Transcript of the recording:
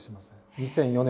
２００４年。